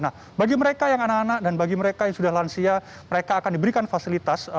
nah bagi mereka yang anak anak dan bagi mereka yang sudah lansia mereka akan diberikan fasilitas